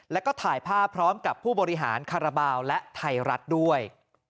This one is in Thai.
แล้วก็ถ่ายภาพพร้อมกับผู้บริหารคาราบาลและไทยรัฐด้วย